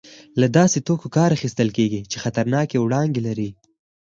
له داسې توکو کار اخیستل کېږي چې خطرناکې وړانګې لري.